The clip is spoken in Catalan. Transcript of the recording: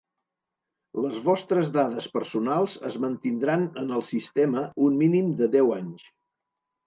Les vostres dades personals es mantindran en el sistema un mínim de deu anys.